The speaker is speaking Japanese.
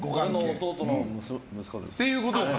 弟の息子です。